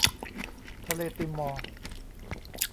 ทะเลติมอร์